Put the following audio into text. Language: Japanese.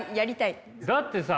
だってさ